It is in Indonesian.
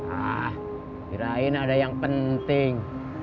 ah kirain ada yang penting